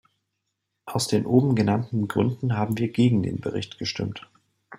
Aus den oben genannten Gründen haben wir gegen den Bericht gestimmt.